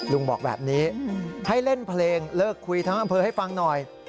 ลุงบอกแบบนี้ให้เล่นเพลงเลิกคุยทั้งอำเภอให้ฟังหน่อย